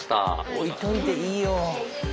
置いといていいよ。